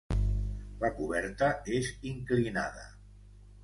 La coberta és inclinada.